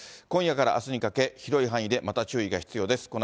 今夜からあすにかけ、広い範囲でまた注意が必要です。